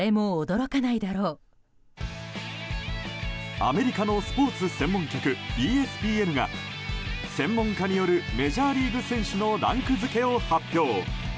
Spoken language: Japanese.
アメリカのスポーツ専門局ＥＳＰＮが専門家によるメジャーリーグ選手のランク付けを発表。